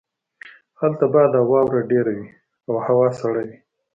هلته باد او واوره ډیره وی او هوا سړه وي